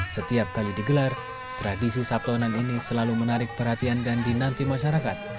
setiap kali digelar tradisi sabtonan ini selalu menarik perhatian dan dinanti masyarakat